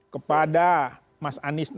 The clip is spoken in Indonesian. kepada mas anies mas ganjar sedang